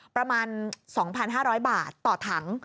ประมาณ๒๕๐๐บาทต่อถัง